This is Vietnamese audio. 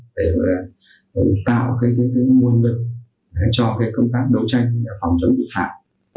để tạo cái nguồn lực cho cái công tác đấu tranh phòng chống tội phạm